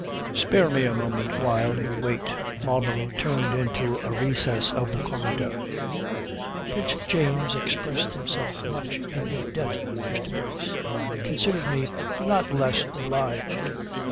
"Spare me a moment while you wait," Marlborough turned into a recess of the corridor. "Prince James expressed himself much in your debt, Mr. Boyce. Consider me not less obliged.